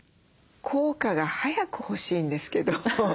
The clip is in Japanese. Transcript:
効果が早く欲しいんですけど。